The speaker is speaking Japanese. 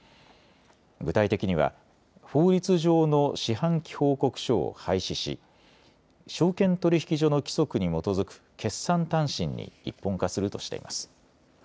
具体的には法律上の四半期報告書を廃止し証券取引所の規則に基づく決算短信に一本化するとしています。